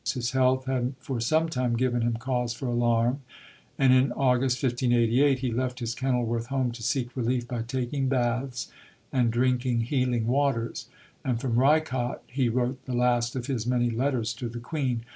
His health had for some time given him cause for alarm, and in August 1588, he left his Kenilworth home to seek relief by taking baths and drinking healing waters; and from Rycott he wrote the last of his many letters to the Queen.